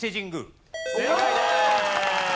正解です。